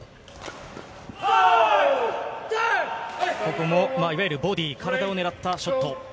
ここもいわゆるボディー、体を狙ったショット。